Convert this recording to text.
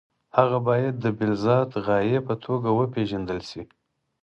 هغه باید د بالذات غایې په توګه وپېژندل شي.